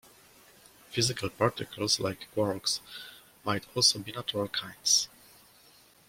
Physical particles, like quarks, might also be natural kinds.